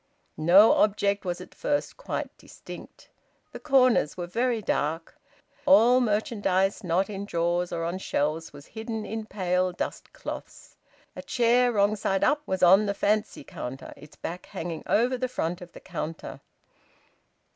No object was at first quite distinct. The corners were very dark. All merchandise not in drawers or on shelves was hidden in pale dust cloths. A chair wrong side up was on the fancy counter, its back hanging over the front of the counter.